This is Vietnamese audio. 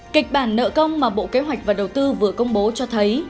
kịch bản nợ công mà bộ kế hoạch và đầu tư vừa công bố cho thấy